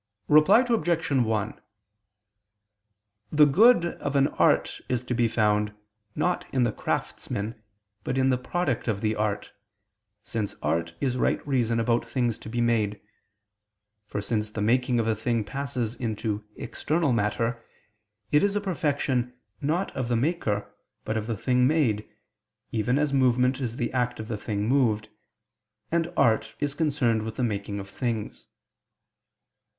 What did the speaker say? Reply Obj. 1: The good of an art is to be found, not in the craftsman, but in the product of the art, since art is right reason about things to be made: for since the making of a thing passes into external matter, it is a perfection not of the maker, but of the thing made, even as movement is the act of the thing moved: and art is concerned with the making of things.